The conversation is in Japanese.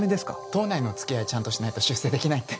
党内のつきあいちゃんとしないと出世できないって。